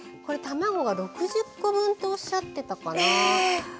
これ卵が６０個分っておっしゃってたかな。